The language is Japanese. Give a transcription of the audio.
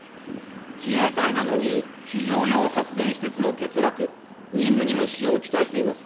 自衛隊なのに非常用発電施設も欠落、任務にも支障を来しています。